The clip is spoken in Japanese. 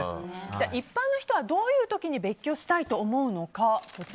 一般の人はどういう時に別居したいと思うのか。